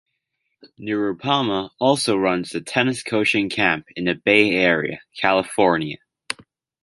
Nirupama also runs a tennis coaching camp in the Bay Area, California.